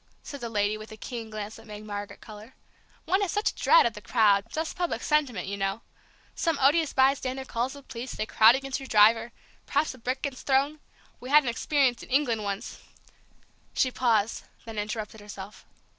said the lady, with a keen glance that made Margaret color. "One has such a dread of the crowd, just public sentiment, you know. Some odious bystander calls the police, they crowd against your driver, perhaps a brick gets thrown. We had an experience in England once " She paused, then interrupted herself.